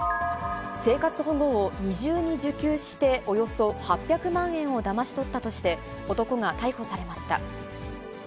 生活保護を二重に受給して、およそ８００万円をだまし取ったとして、男が逮捕されました。